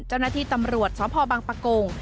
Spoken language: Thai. เจ้าหน้าที่ตำรวจสพบังปะโกง